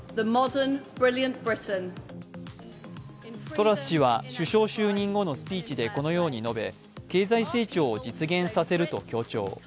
トラス氏は首相就任後のスピーチでこのように述べ、経済成長を実現させると強調。